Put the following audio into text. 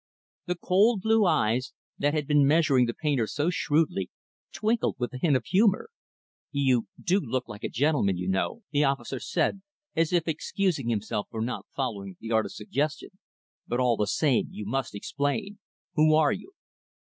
The cold, blue eyes that had been measuring the painter so shrewdly twinkled with a hint of humor. "You do look like a gentleman, you know," the officer said, as if excusing himself for not following the artist's suggestion. "But, all the same, you must explain. Who are you?"